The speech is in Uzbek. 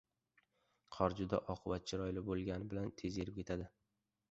• Qor juda oq va chiroyli bo‘lgani bilan tez erib ketadi.